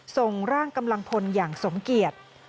ส่งร่างกำลังพลอย่างสมเกียจ